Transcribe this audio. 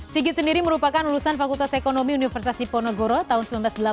sigit sendiri merupakan lulusan fakultas ekonomi universitas diponegoro tahun seribu sembilan ratus delapan puluh